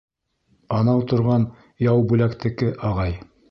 Анау торған Яубүләктеке, ағай.